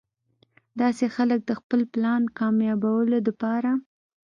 داسې خلک د خپل پلان کاميابولو د پاره